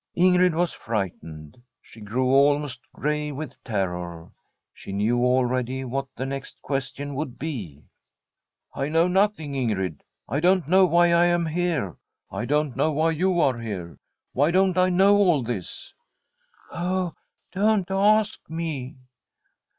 ' Ingrid was frightened. She grew almost gray with terror. She knew already what the next question would be. ' I know nothing, Ingrid. I don't know why from a SPF£DISH HOMESTEAD I am here. I don't know why you are here. Why don't I know all this ?'' Oh, don't ask me